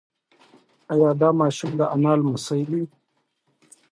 ایا دا ماشوم د انا لمسی دی؟